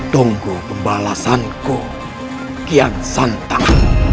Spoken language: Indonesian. tunggu pembalasanku kian santang